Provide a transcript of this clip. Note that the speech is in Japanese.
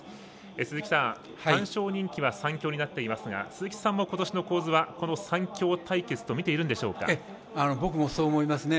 鈴木さん、単勝人気は３強になっていますが鈴木さんも、ことしの構図はこの３強対決僕もそう思いますね。